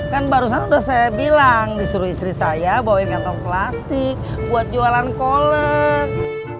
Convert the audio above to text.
kan barusan sudah saya bilang disuruh istri saya bawain kantong plastik buat jualan kolek